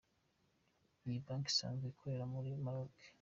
Iyi banki isanzwe ikorera muri Maroc.